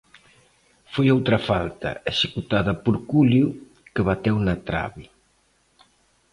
Foi outra falta, executada por Culio, que bateu na trabe.